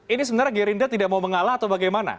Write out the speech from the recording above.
ini sebenarnya gerindra tidak mau mengalah atau bagaimana